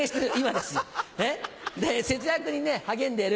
で節約にね励んでる